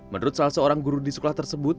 menurut salah seorang guru di sekolah tersebut